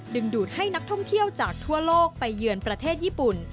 ดูดให้นักท่องเที่ยวจากทั่วโลกไปเยือนประเทศญี่ปุ่น